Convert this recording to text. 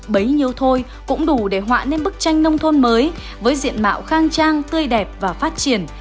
bấy nhiêu thôi cũng đủ để họa nên bức tranh nông thôn mới với diện mạo khang trang tươi đẹp và phát triển